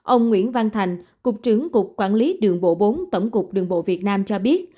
ông nguyễn văn thành cục trưởng cục quản lý đường bộ bốn tổng cục đường bộ việt nam cho biết